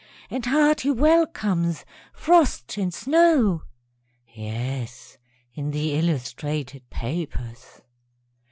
_) And hearty welcomes, frost and snow; (_Yes, in the illustrated papers.